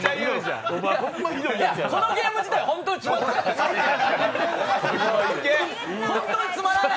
このゲーム自体ホントにつまんない。